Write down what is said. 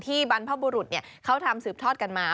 บรรพบุรุษเขาทำสืบทอดกันมา